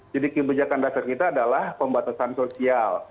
jadi kebijakan dasar kita adalah pembatasan sosial